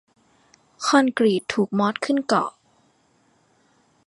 คอนกรีตถูกมอสขึ้นเกาะ